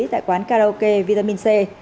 và bán karaoke vitamin c